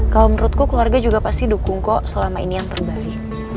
kalau menurutku keluarga juga pasti dukung kok selama ini yang terbalik